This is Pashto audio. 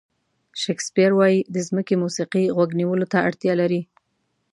شکسپیر وایي د ځمکې موسیقي غوږ نیولو ته اړتیا لري.